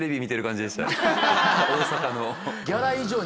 大阪の。